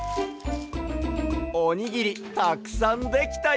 おにぎりたくさんできたＹＯ！